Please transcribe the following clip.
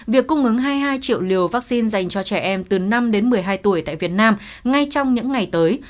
việc cung ứng hai mươi hai triệu liều vaccine dành cho trẻ em từ năm đến một mươi hai tuổi tại việt nam ngay trong những ngày tới